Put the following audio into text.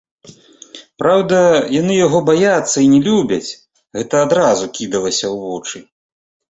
Праўда, яны яго баяцца і не любяць, гэта адразу кідалася ў вочы.